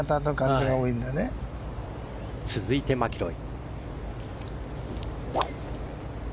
続いて、マキロイ。